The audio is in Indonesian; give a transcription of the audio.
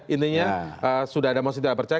intinya sudah ada mosi tidak percaya